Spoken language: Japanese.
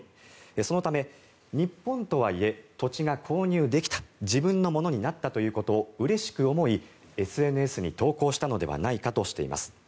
そのため日本とはいえ土地が購入できた自分のものになったということをうれしく思いＳＮＳに投稿したのではないかとしています。